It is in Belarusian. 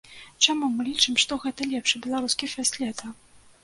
Чаму мы лічым, што гэта лепшы беларускі фэст лета?